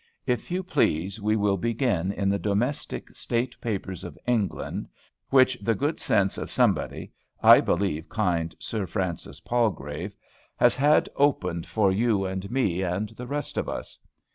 If you please, we will begin in the Domestic State Papers of England, which the good sense of somebody, I believe kind Sir Francis Palgrave, has had opened for you and me and the rest of us.